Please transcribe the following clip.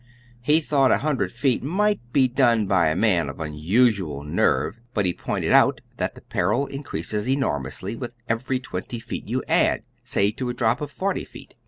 He thought a hundred feet might be done by a man of unusual nerve, but he pointed out that the peril increases enormously with every twenty feet you add, say to a drop of forty feet.